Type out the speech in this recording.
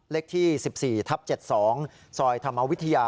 เลขที่๑๔ทับ๗๒ซอยธรรมวิทยา